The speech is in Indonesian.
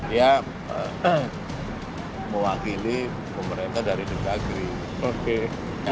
ia mewakili pemerintah dari negara